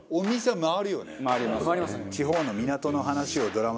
回りますね。